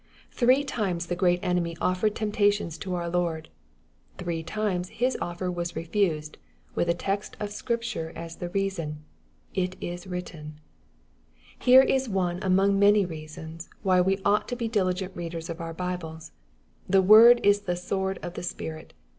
Three times the great enemy offered temptations to our Lord. Three times his offer was refused, with a text of Scrip ture as the reason, ^^ it isjmiten." Here is one «mong many reasons, why we ought to be diligent readers ofour Bibles. The Word is the sword of the Spirit.